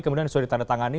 kemudian sudah ditandatangani